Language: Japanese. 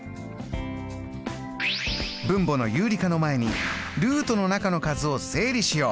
分母の有理化の前にルートの中の数を整理しよう。